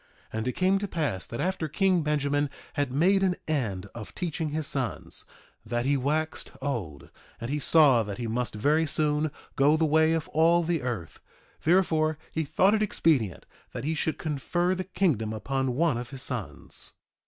1:9 And it came to pass that after king Benjamin had made an end of teaching his sons, that he waxed old, and he saw that he must very soon go the way of all the earth; therefore, he thought it expedient that he should confer the kingdom upon one of his sons.